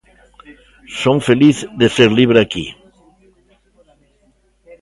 Son feliz de ser libre aquí.